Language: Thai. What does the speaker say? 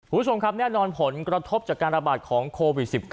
คุณผู้ชมครับแน่นอนผลกระทบจากการระบาดของโควิด๑๙